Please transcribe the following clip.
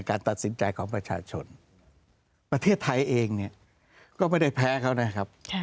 การตัดสินใจของประชาชนประเทศไทยเองเนี่ยก็ไม่ได้แพ้เขานะครับ